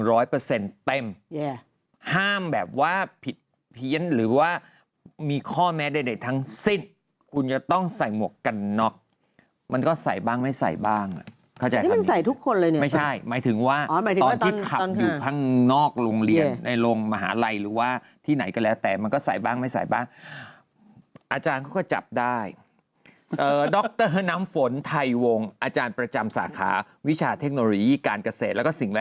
ร้อยเปอร์เซ็นต์เต็มห้ามแบบว่าผิดเพี้ยนหรือว่ามีข้อแม้ใดทั้งสิ้นคุณจะต้องใส่หมวกกันน็อกมันก็ใส่บ้างไม่ใส่บ้างเข้าใจที่มันใส่ทุกคนเลยเนี่ยไม่ใช่หมายถึงว่าตอนที่ขับอยู่ข้างนอกโรงเรียนในโรงมหาลัยหรือว่าที่ไหนก็แล้วแต่มันก็ใส่บ้างไม่ใส่บ้างอาจารย์ก็จับได้ดรน้ำฝนไทยวง